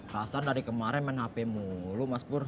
rasanya dari kemarin main hp mulu mas pur